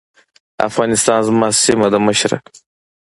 افغانستان زما سيمه ده مشره.